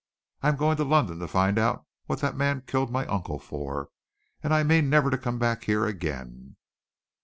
I am going to London to find out what that man killed my uncle for, and I mean never to come back here again."